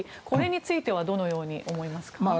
これについてはどのように思いますか。